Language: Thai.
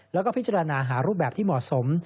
แล้วก็พิจารณาหารูปแบบที่เหมาะสม